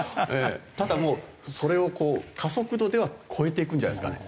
ただもうそれをこう加速度では超えていくんじゃないですかね